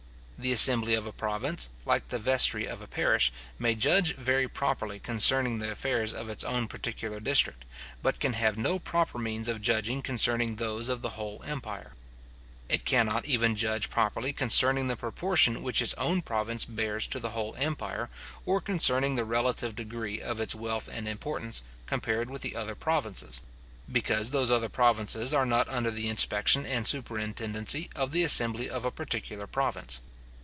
The assembly of a province, like the vestry of a parish, may judge very properly concerning the affairs of its own particular district, but can have no proper means of judging concerning those of the whole empire. It cannot even judge properly concerning the proportion which its own province bears to the whole empire, or concerning the relative degree of its wealth and importance, compared with the other provinces; because those other provinces are not under the inspection and superintendency of the assembly of a particular province.